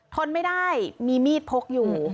ทนไม่ได้มีมีดพกอยู่